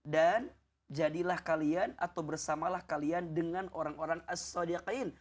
dan jadilah kalian atau bersamalah kalian dengan orang orang assadiqin